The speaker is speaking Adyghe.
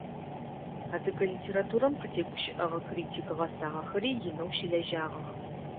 Адыгэ литературэм къытегущыӏэгъэ критик гъэсагъэхэри инэу щылэжьагъэх.